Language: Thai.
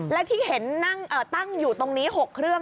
และที่เห็นตั้งอยู่ตรงนี้๖เครื่อง